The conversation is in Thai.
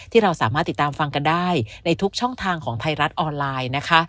ที่เราสามารถติดตามฟังกันได้ในทุกช่องทางของไทยรัฐออนไลน์นะคะ